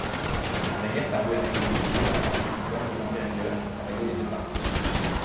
La guerre parut arrêtée brusquement par les discordes intérieures qui travaillaient les deux partis.